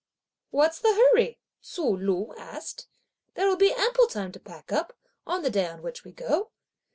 "What's the hurry?" Ts'ui Lü asked. "There will be ample time to pack up, on the day on which we go!"